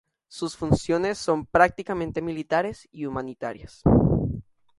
Sus funciones son prácticamente militares y humanitarias.